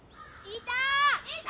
いた！